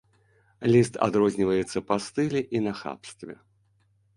Ліст адрозніваецца па стылі і нахабстве.